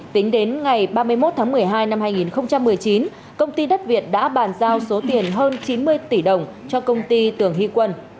tính đến ngày ba mươi một tháng một mươi hai năm hai nghìn một mươi chín công ty đất việt đã bàn giao số tiền hơn chín mươi tỷ đồng cho công ty tường hy quân